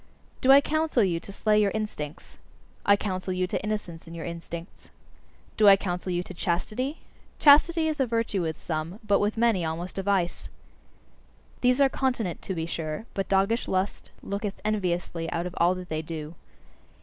Do I counsel you to slay your instincts? I counsel you to innocence in your instincts. Do I counsel you to chastity? Chastity is a virtue with some, but with many almost a vice. These are continent, to be sure: but doggish lust looketh enviously out of all that they do.